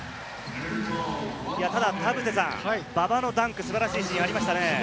田臥さん、馬場のダンク、素晴らしいシーンがありましたね。